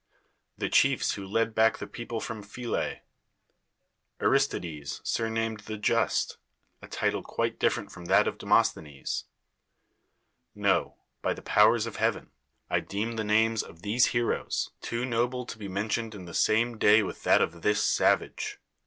The chiefs who led back the people from Phyle ? Aris tides, surnamed the Just, a title cpiite different from that of Demosthenes ? No ; by the powers of Heaven. I deem the names of these heroes iESCHINES too noblo to he nionlioned in the same dny with that of this savaire.